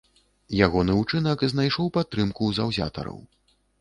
Ягоны ўчынак знайшоў падтрымку ў заўзятараў.